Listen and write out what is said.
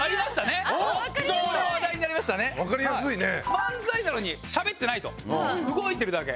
漫才なのにしゃべってないと動いてるだけ。